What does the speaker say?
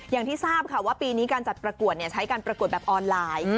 อย่างที่ทราบค่ะว่าปีนี้การจัดประกวดใช้การประกวดแบบออนไลน์